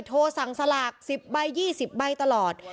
โทรสั่งสลาก๑๐ใบ๒๐ใบตลอด